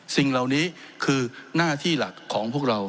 สิ่งเหล่านี้คือหน้าที่หลักของพวกเรา